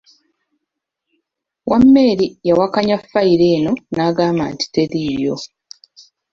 Wameli yawakanya ffayiro eno n’agamba nti teriiyo.